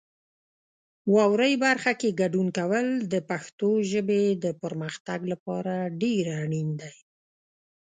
واورئ برخه کې ګډون کول د پښتو ژبې د پرمختګ لپاره ډېر اړین دی.